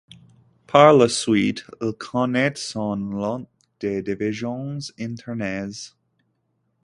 Par la suite, l' connaît son lot de divisions internes.